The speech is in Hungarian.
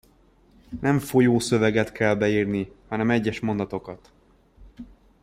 Nem folyószöveget kell beírni, hanem egyes mondatokat.